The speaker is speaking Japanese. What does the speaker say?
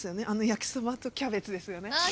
焼きそばとキャベツですよね。